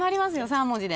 ３文字で。